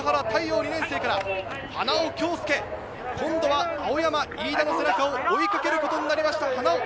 太陽から花尾恭輔、今度は青山・飯田の背中を追いかけることになりました。